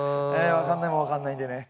わかんないものはわかんないんでね。